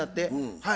はい。